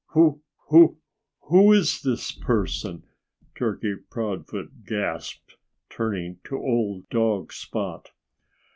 "Who who who is this person?" Turkey Proudfoot gasped, turning to old dog Spot.